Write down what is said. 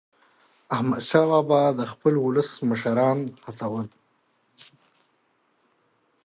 احمدشاه بابا به د خپل ولس مشران هڅول.